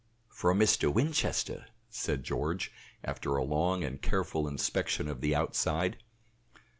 "From Mr. Winchester," said George, after a long and careful inspection of the outside.